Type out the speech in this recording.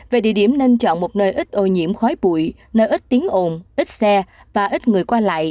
về địa điểm nên chọn một nơi ít ô nhiễm khói bụi nơi ít tiếng ồn ít xe và ít người qua lại